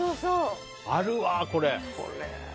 あるわ、これ。